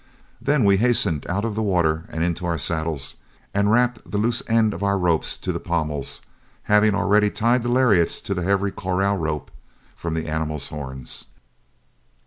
Then we hastened out of the water and into our saddles, and wrapped the loose end of our ropes to the pommels, having already tied the lariats to the heavy corral rope from the animal's horns.